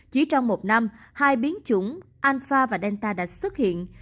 chỉ trong một năm hai biến chủng anfa và delta đã xuất hiện